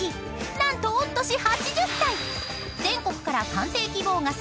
［何と御年８０歳！］